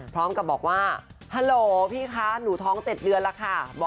พร้อมกับบอกว่าฮัลโหลพี่คะหนูท้อง๗เดือนแล้วค่ะ